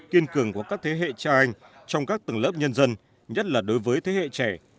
kiên cường của các thế hệ cha anh trong các tầng lớp nhân dân nhất là đối với thế hệ trẻ